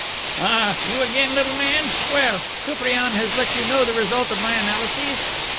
"Ah, you again, little man! Well? Koupriane has let you know the result of my analyses?"